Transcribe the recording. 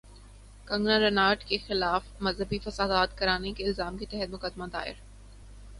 کنگنا رناوٹ کے خلاف مذہبی فسادات کرانے کے الزام کے تحت مقدمہ دائر